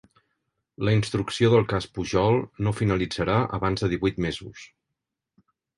La instrucció del cas Pujol no finalitzarà abans de divuit mesos